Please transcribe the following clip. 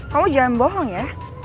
kamu jangan bohong ya